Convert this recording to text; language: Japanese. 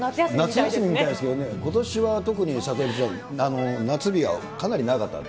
夏休みみたいですけどね、ことしは特に佐藤さん、猛暑日がかなり長かったので。